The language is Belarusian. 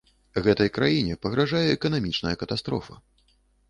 Гэтай краіне пагражае эканамічная катастрофа.